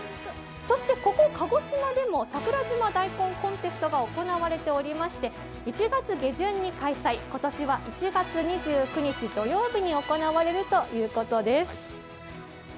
そしてここ、鹿児島でも桜島大根コンテストが行われておりまして１月下旬に開催、今年は１月２９日土曜日に行われるということです。